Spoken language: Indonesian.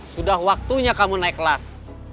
sudah waktunya kamu naik kelas